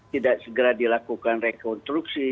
tidak segera dilakukan rekonstruksi